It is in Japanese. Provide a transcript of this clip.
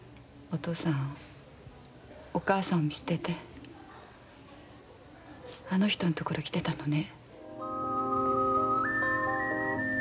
お父さん、お母さんを捨てて、あの人のところ、来てたのね。